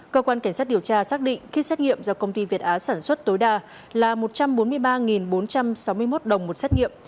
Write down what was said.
cơ quan cảnh sát điều tra xác định kit xét nghiệm do công ty việt á sản xuất tối đa là một trăm bốn mươi ba bốn trăm sáu mươi một đồng một xét nghiệm